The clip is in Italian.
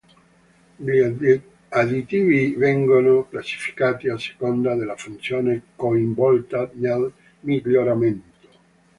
Gli additivi vengono classificati a seconda della funzione coinvolta nel miglioramento.